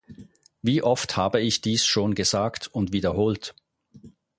Wie oft habe ich dies schon gesagt und wiederholt.